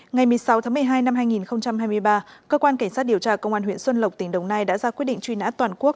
ngày một mươi sáu tháng một mươi hai năm hai nghìn hai mươi ba cơ quan cảnh sát điều tra công an huyện xuân lộc tỉnh đồng nai đã ra quyết định truy nã toàn quốc